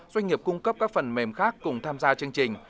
doanh nghiệp cung cấp các phần mềm khác cùng tham gia chương trình